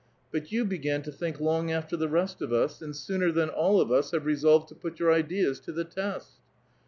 But you began to think' long after the rest of us, and sooner than all of us have re solved to put your ideas to the test."